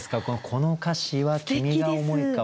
「この歌詞は君が思ひか」。